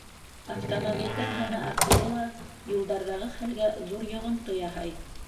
Автомобилдәр һаны артыуы ла юлдарҙағы хәлгә ҙур йоғонто яһай.